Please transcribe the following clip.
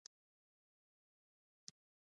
د "Made in Afghanistan" لیبل ارزښت لري؟